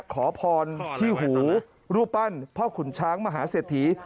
ขอพรที่หูรูปปั้นพ่อขุนช้างมหาเศรษฐี